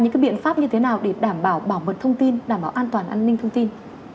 những biện pháp như thế nào để đảm bảo bảo mật thông tin đảm bảo an toàn an ninh thông tin